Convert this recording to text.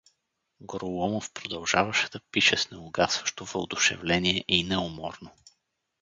Гороломов продължаваше да пише с неугасващо въодушевление и неуморно.